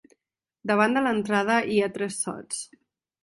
Davant de l'entrada hi ha tres sots.